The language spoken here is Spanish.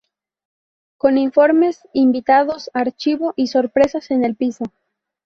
Con informes, invitados, archivo y sorpresas en el piso.